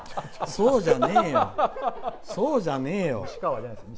そうじゃねえよ。